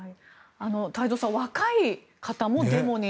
太蔵さん、若い方もデモに。